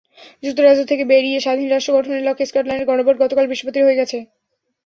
যুক্তরাজ্য থেকে বেরিয়ে স্বাধীন রাষ্ট্র গঠনের লক্ষ্যে স্কটল্যান্ডের গণভোট গতকাল বৃহস্পতিবার হয়ে গেছে।